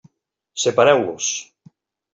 Separeu-los.